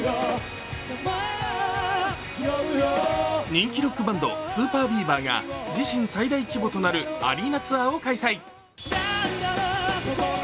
人気ロックバンドＳＵＰＥＲＢＥＡＶＥＲが自身最大規模となるアリーナツアーを開催。